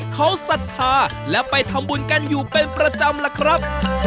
เขาศรัทธาและไปทำบุญกันอยู่เป็นประจำล่ะครับ